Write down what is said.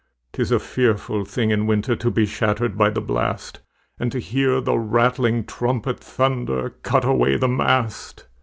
'Tis a fearful thing in winter To be shattered by the blast, And to hear the rattling trumpet Thunder, "Cut away the mast!"